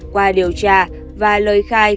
qua điều tra và lời khai